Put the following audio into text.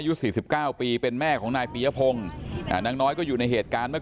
สี่สิบเก้าปีเป็นแม่ของนายปียพงศ์นางน้อยก็อยู่ในเหตุการณ์เมื่อ